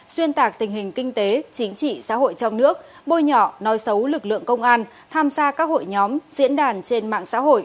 xuyên tạc tình hình kinh tế chính trị xã hội trong nước bôi nhỏ nói xấu lực lượng công an tham gia các hội nhóm diễn đàn trên mạng xã hội